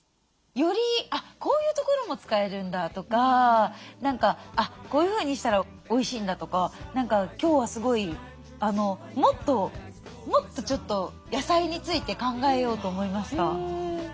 よりこういうところも使えるんだとか何かこういうふうにしたらおいしいんだとか何か今日はすごいもっともっとちょっと野菜について考えようと思いました。